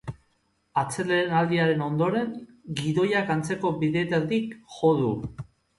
Atsedenaldiaren ondoren, gidoiak antzeko bideetatik jo du.